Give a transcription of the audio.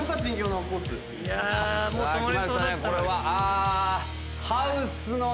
これは。